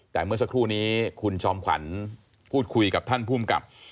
แต่เมื่อสักครู่นี้คุณจอมขวัญพูดคุยกับท่านภูมิกับ